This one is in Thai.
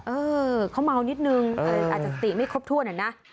เออเขาเมานิดนึงอาจจะติไม่ครบถ้วนนะ